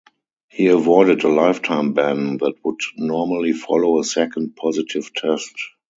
He avoided a lifetime ban that would normally follow a second positive test.